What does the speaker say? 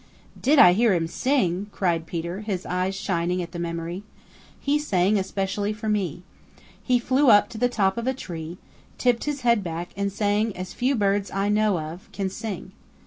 "Did I hear him sing!" cried Peter, his eyes shining at the memory. "He sang especially for me. He flew up to the top of a tree, tipped his head back and sang as few birds I know of can sing.